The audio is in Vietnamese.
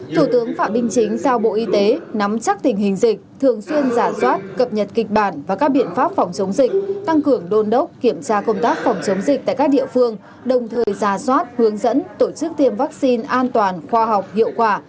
thủ tướng phạm minh chính giao bộ y tế nắm chắc tình hình dịch thường xuyên giả soát cập nhật kịch bản và các biện pháp phòng chống dịch tăng cường đôn đốc kiểm tra công tác phòng chống dịch tại các địa phương đồng thời giả soát hướng dẫn tổ chức tiêm vaccine an toàn khoa học hiệu quả